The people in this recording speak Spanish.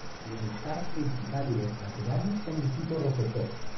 El altar principal y los laterales son de tipo rococó.